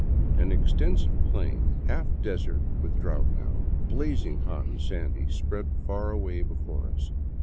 An extensive plain, half desert with drought now, blazing hot and sandy, spread far away before us.